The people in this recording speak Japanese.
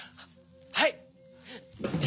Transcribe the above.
はい！